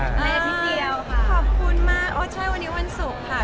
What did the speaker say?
เป็นวันเด็ดที่เดียวค่ะอ๋อขอบคุณมากโอ้ใช่วันนี้วันศุกร์ค่ะ